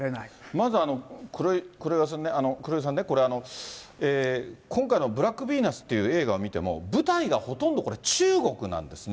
まず黒井さんね、今回のブラックヴィーナスっていう映画を見ても、舞台がほとんどこれ、中国なんですね。